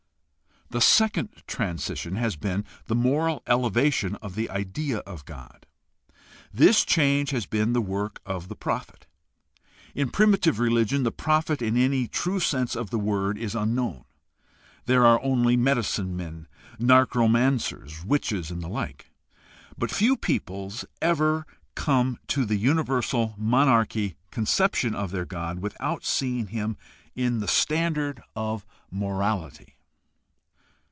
2. The second transition has been the moral elevation of the idea of God. This change has been the work of the prophet. In primitive religion the prophet in any true sense of the word is unknown. There are only medicine men, necromancers, witches, and the like. But few peoples ever come to the universal monarchy conception of their god without seeing in him the standard of morality.